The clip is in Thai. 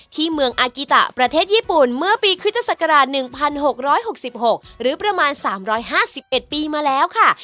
ที่เมืองอากิตะประเทศญี่ปุ่นเมื่อปีคริสตศักราช๑๖๖หรือประมาณ๓๕๑ปีมาแล้วค่ะ